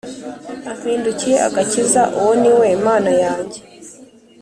Ampindukiye agakiza Uwo ni we Mana yanjye